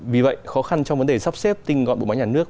vì vậy khó khăn trong vấn đề sắp xếp tinh gọn bộ máy nhà nước